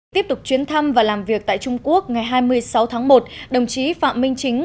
tiếp tục chuyến thăm và làm việc tại trung quốc ngày hai mươi sáu tháng một đồng chí phạm minh chính